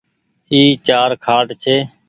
اي چآر کآٽ ڇي۔